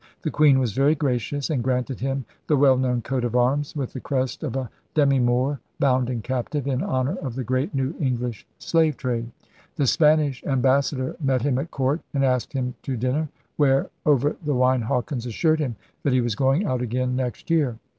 The Queen was very gracious and granted him the well known coat of arms with the crest of *a demi Moor, bound and captive' in honor of the great new English slave trade. The Spanish ambas sador met him at court and asked him to dinner. 86 ELIZABETHAN SEA DOGS where, over the wine, Hawkins assured him that he was going out again next year.